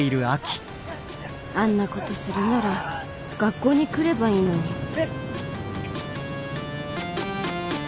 あんなことするなら学校に来ればいいのに。